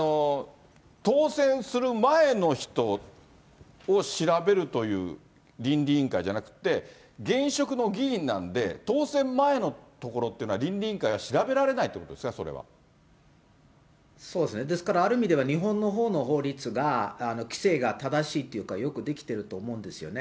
当選する前の人を調べるという倫理委員会じゃなくって現職の議員なんで、当選前のところってのは倫理委員会は調べられないということですそうですね、ですからある意味では日本のほうの法律が規制が正しいというか、よくできてると思うんですよね。